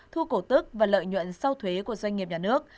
thu cổ tức và lợi nhuận sau thuế của doanh nghiệp nhà nước